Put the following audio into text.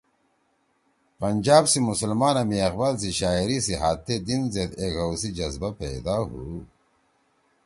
پنجاب سی مسلمانا می اقبال سی شاعری سی ہات تے دین زید ایک ہؤ سی جزبہ پیدا ہُو